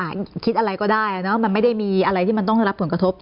คิดอะไรก็ได้เนอะมันไม่ได้มีอะไรที่มันต้องได้รับผลกระทบ